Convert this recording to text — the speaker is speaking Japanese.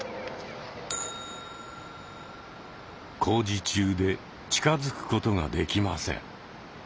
工事中で近づくことができません。